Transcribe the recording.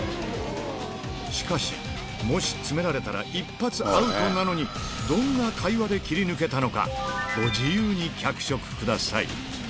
しかし、もし詰められたら一発アウトなのに、どんな会話で切り抜けたのか、ご自由に脚色ください。